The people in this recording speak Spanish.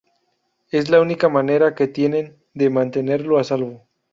Es la única manera que tienen de mantenerlo a salvo.